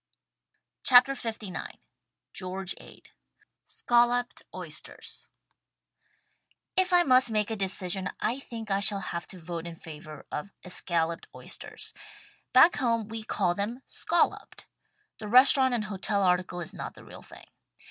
THE STAG COOK BOOK LIX George Ade "SCOLLOPED" OYSTERS If I must make a decision, I think I shall have to vote in favor of escalloped oysters. Back home we call them "scolloped." The restaurant and hotel article is not the real thing.